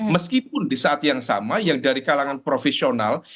meskipun di saat yang sama yang dari kalangan profesional